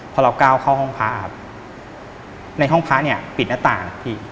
พอเราก้าวเข้าห้องพ้าในห้องพ้าปิดหน้าต่าง